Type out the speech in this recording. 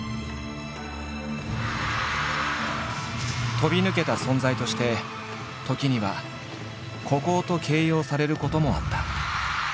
飛び抜けた存在として時には「孤高」と形容されることもあった。